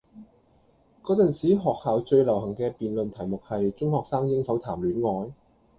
嗰陣時學校最流行嘅辯論題目係：中學生應否談戀愛?